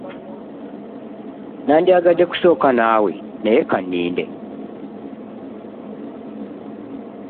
Nandyagadde kusooka naawe naye ka nninde.